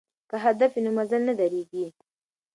که هدف وي نو مزل نه دریږي.